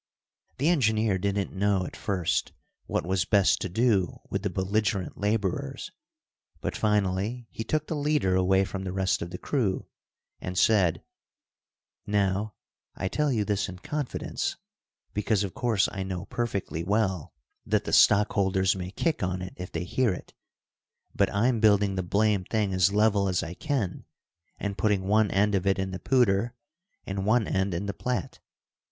The engineer didn't know at first what was best to do with the belligerent laborers, but finally he took the leader away from the rest of the crew and said, "Now, I tell you this in confidence, because of course I know perfectly well that the stockholders may kick on it if they hear it, but I'm building the blamed thing as level as I can and putting one end of it in the Poudre and one end in the Platte.